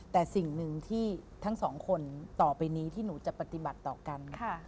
แต่สิ่งหนึ่งที่ทั้งสองคนต่อไปนี้ที่หนูจะปฏิบัติต่อกัน